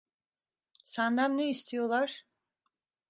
Senden ne istiyorlar?